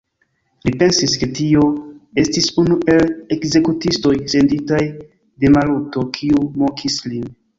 Li pensis, ke tio estis unu el ekzekutistoj, senditaj de Maluto, kiu mokis lin.